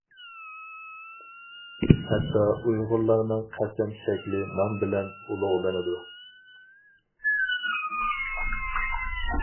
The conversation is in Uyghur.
ھەتتا ئۇيغۇرلارنىڭ قەسەم شەكلى نان بىلەن ئۇلۇغلىنىدۇ.